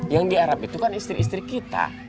yang di arab itu kan istri istri kita